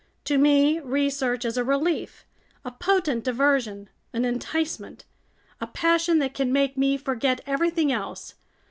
To me, research is a relief, a potent diversion, an enticement, a passion that can make me forget everything else.